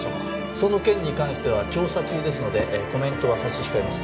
その件に関しては調査中ですのでえぇコメントは差し控えます。